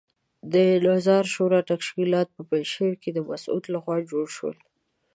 د نظار شورا تشکیلات په پنجشیر کې د مسعود لخوا جوړ شول.